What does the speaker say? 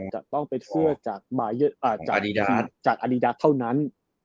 จะต้องเป็นเสื้อจากอดีดาเท่านั้น